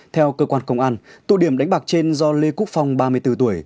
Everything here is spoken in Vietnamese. theo cơ quan công an tụ điểm đánh bạc trên do lê quốc phong ba mươi bốn tuổi